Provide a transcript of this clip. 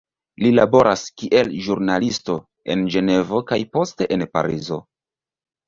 Li laboras kiel ĵurnalisto en Ĝenevo kaj poste en Parizo.